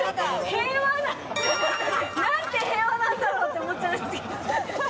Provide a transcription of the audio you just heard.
平和な。なんて平和なんだろうって思っちゃいましたけど。